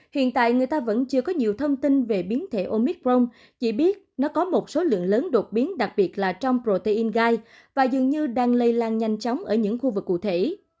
hiện tại người ta vẫn chưa có nhiều thông tin về biến thể omicron chỉ biết nó có một số lượng lớn đột biến đặc biệt là trong protein gai và dường như đang lây lan nhanh chóng ở những khu vực cụ thể